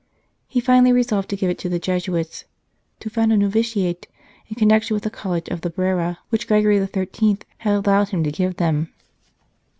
He finally resolved to give it to the Jesuits, to found a novitiate in connection with the College of the Brera, which Gregory XIII. had allowed him to give them.